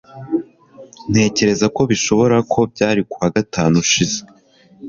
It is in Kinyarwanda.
Ntekereza ko bishoboka ko byari kuwa gatanu ushize